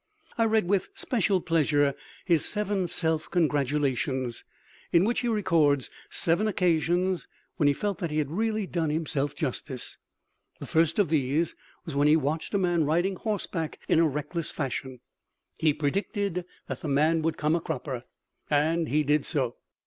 I read with special pleasure his seven Self Congratulations, in which he records seven occasions when he felt that he had really done himself justice. The first of these was when he watched a man riding horseback in a reckless fashion; he predicted that the man would come a cropper, and he did so.